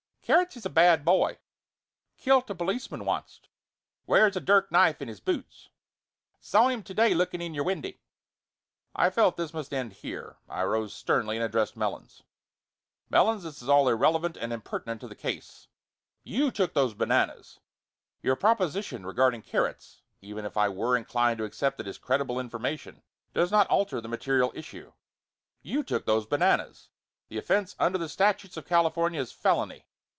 "Carrots is a bad boy. Killed a policeman onct. Wears a dirk knife in his boots. Saw him to day looking in your windy." I felt that this must end here. I rose sternly and addressed Melons. "Melons, this is all irrelevant and impertinent to the case. You took those bananas. Your proposition regarding Carrots, even if I were inclined to accept it as credible information, does not alter the material issue. You took those bananas. The offense under the statutes of California is felony.